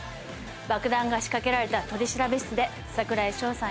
爆弾が仕掛けられた取調室で櫻井翔さん